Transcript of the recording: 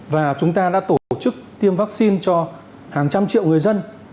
và chúng ta đã tổ chức tiêm vaccine cho hàng trăm triệu người dân